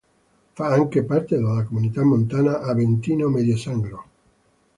Fa anche parte della Comunità montana "Aventino-Medio Sangro".